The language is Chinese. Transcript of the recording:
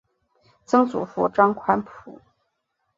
曾祖父张宽甫。